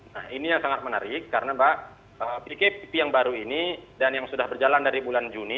nah ini yang sangat menarik karena mbak pkp yang baru ini dan yang sudah berjalan dari bulan juni